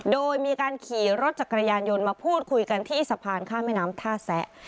โดยมีการขี่รถจักรยานยนต์มาพูดคุยกันที่สะพานข้ามแม่น้ำท่าแสะ